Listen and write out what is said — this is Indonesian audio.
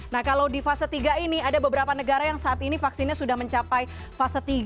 nah kalau di fase tiga ini ada beberapa negara yang saat ini vaksinnya sudah mencapai fase tiga